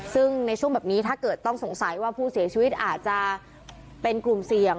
ซึ่งในช่วงแบบนี้ถ้าเกิดต้องสงสัยว่าผู้เสียชีวิตอาจจะเป็นกลุ่มเสี่ยง